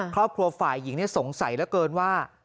ครอบครัวฝ่ายหญิงสงสัยเหลือเกินว่า